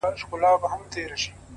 نیکه وینا ښه یاد پرېږدي